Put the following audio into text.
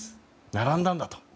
並んだんだと。